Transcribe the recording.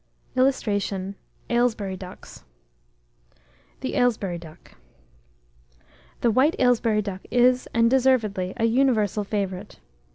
[Illustration: AYLESBURY DUCKS.] THE AYLESBURY DUCK. The white Aylesbury duck is, and deservedly, a universal favourite.